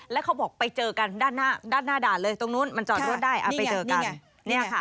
แล้วเขาบอกไปเจอกันด้านหน้าด้านหน้าด่านเลยตรงนู้นมันจอดรถได้นี่ไง